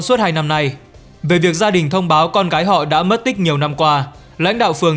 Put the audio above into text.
suốt hai năm nay về việc gia đình thông báo con gái họ đã mất tích nhiều năm qua lãnh đạo phường